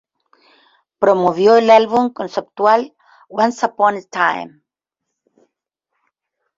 Promovió el álbum conceptual "Once Upon a Time".